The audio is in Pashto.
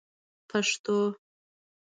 پشتو